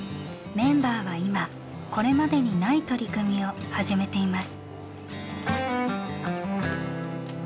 メンバーは今これまでにない取り組みを始めています。